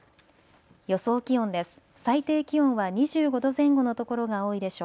予想気温です。